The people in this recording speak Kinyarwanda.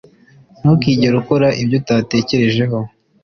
Ntukigere ukora ibyo utatekerejeho